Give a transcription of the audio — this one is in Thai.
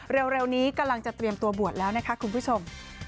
เร็วนี้กำลังจะเตรียมตัวบวชแล้วนะคะคุณผู้ชม